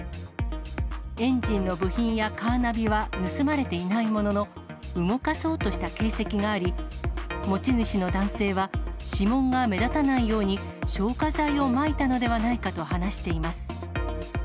エンジンの部品やカーナビは盗まれていないものの、動かそうとした形跡があり、持ち主の男性は指紋が目立たないように、消火剤をまいたのではないかと話しています。